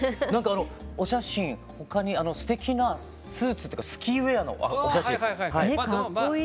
何かお写真他にすてきなスーツっていうかスキーウエアのお写真。